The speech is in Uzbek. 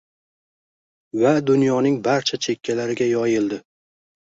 va dunyoning barcha chekkalariga yoyildi.